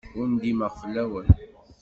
Ur ndimeɣ fell-awen.